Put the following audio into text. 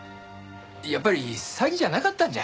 やっぱり詐欺じゃなかったんじゃ？